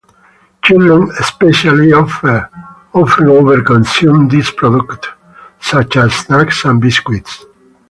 Children especially often over-consume these products, such as snacks and biscuits.